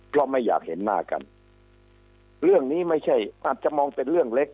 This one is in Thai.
เพราะไม่อยากเห็นหน้ากันเรื่องนี้ไม่ใช่อาจจะมองเป็นเรื่องเล็ก